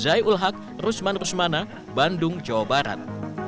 zai ul haq rusman rusmana bandung jawa barat